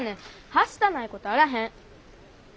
はしたないことあらへん。